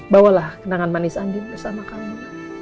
bawalah kenangan manis andin bersama kami